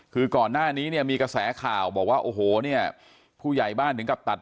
คือก่อนหน้านี้มีกระแสข่าวบอกว่าผู้ใหญ่บ้านถึงกลับตัด